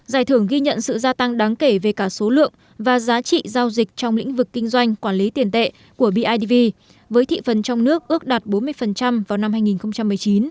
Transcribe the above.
giải thưởng ghi nhận sự gia tăng đáng kể về cả số lượng và giá trị giao dịch trong lĩnh vực kinh doanh quản lý tiền tệ của bidv với thị phần trong nước ước đạt bốn mươi vào năm hai nghìn một mươi chín